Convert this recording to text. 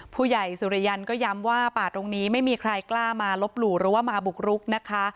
ผู้ใหญ่สุริยันก็ย้ำว่าป่าตรงนี้ไม่มีใครกล้ามาลบหลู่หรือว่ามาบุกรุกนะคะ